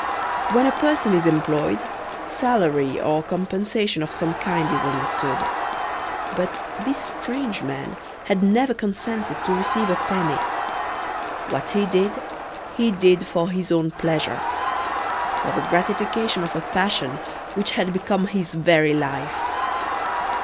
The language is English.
When a person is employed, salary or compensation of some kind is understood, but this strange man had never consented to receive a penny. What he did he did for his own pleasure for the gratification of a passion which had become his very life.